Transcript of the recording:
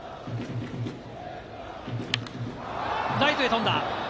ライトへ飛んだ。